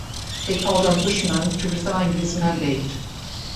They called on Buschmann to resign his mandate.